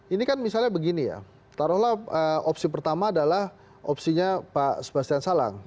ini kan misalnya begini ya taruhlah opsi pertama adalah opsinya pak sebastian salang